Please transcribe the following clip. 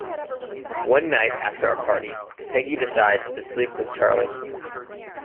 One night after a party, Peggy decides to sleep with Charlie.